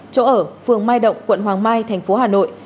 chỗ ở phường mai động quận hoàng mai thành phố hà nội